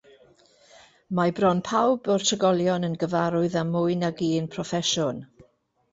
Mae bron pawb o'r trigolion yn gyfarwydd â mwy nag un proffesiwn.